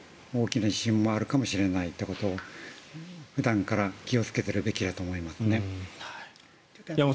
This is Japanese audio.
大きな地震もあるかもしれないということを普段から気をつけるべきだと思います。